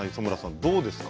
どうですか？